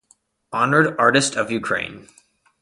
Honored Artist of Ukraine.